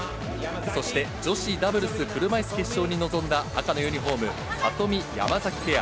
そして、女子ダブルス車いす決勝に臨んだ赤のユニホーム、里見・山崎ペア。